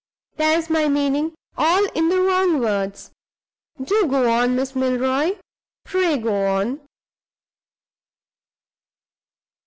There's my meaning, all in the wrong words. Do go on, Miss Milroy; pray go on!"